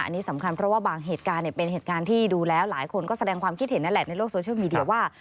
อันนี้สำคัญเพราะว่าบางเหตุการณ์เป็นเหตุการณ์ที่ดูแล้วหลายคนก็แสดงความคิดเห็นนั่นแหละในโลกโซเชียลมีเดียว่า